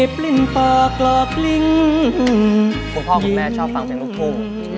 คุณพ่อคุณแม่ชอบฟังเสียงลูกคู่